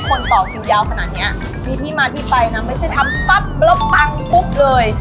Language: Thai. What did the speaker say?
ต่อคิวยาวขนาดเนี้ยมีที่มาที่ไปนะไม่ใช่ทำปั๊บแล้วปังปุ๊บเลย